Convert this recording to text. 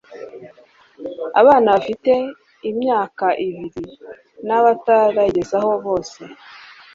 abana bafite imvaka ibiri n'abatarayigezaho bose.